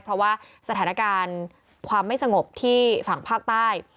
เพราะว่าสถานการณ์ความไม่สงบที่ฝั่งภาคใต้